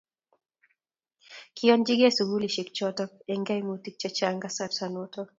kinyochigei sukulisiek choto eng' kaimutik che chang' kasarta noto